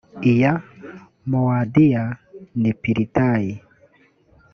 iya mowadiya ni pilitayi